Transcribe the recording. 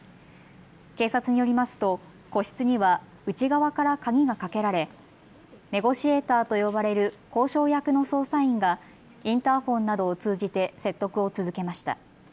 警察によりますと個室には内側から鍵がかけられネゴシエーターと呼ばれる交渉役の捜査員がインターフォンなどを通じて説得を続けました。